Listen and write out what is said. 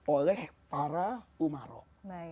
oleh para umarok